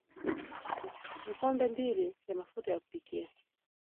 vikombe mbili vya mafuta ya kupikia